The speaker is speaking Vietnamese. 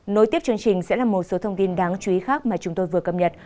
nối tiếp chương trình sẽ là một số thông tin đáng chú ý khác mà chúng tôi vừa cập nhật